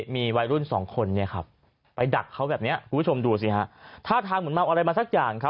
มีวัยรุ่น๒คนไปดักเขาแบบนี้คุณผู้ชมดูสิครับถ้าทางหมุนมากอะไรมาสักอย่าง